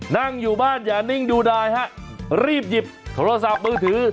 นั่งอยู่บ้านอย่านิ่งดูดายฮะรีบหยิบโทรศัพท์มือถือ